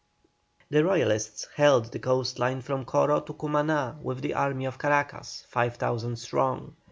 The Royalists held the coastline from Coro to Cumaná with the army of Caracas, 5,000 strong.